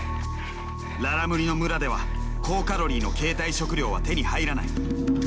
ララムリの村では高カロリーの携帯食料は手に入らない。